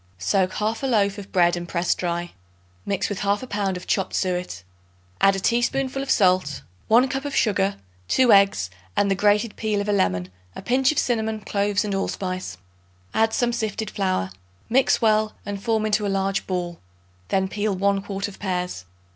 Soak 1/2 loaf of bread and press dry. Mix with 1/2 pound of chopped suet; add a teaspoonful of salt, 1 cup of sugar, 2 eggs and the grated peel of a lemon, a pinch of cinnamon, cloves and allspice. Add some sifted flour; mix well, and form into a large ball. Then peel 1 quart of pears.